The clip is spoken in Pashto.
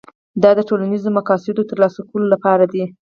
دا د ټولنیزو مقاصدو د ترلاسه کولو لپاره دي.